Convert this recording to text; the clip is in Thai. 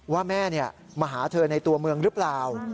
ว่าแม่มาหาเธอในตัวเมืองหรือเปล่า